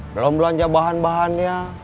belum belanja bahan bahannya